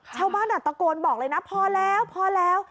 ชาวบ้านอาจตะโกนบอกเลยนะพอแล้ว